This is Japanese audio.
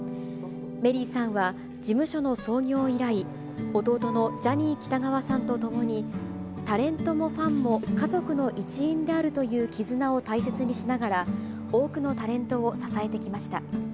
メリーさんは事務所の創業以来、弟のジャニー喜多川さんと共に、タレントもファンも家族の一員であるという絆を大切にしながら多くのタレントを支えてきました。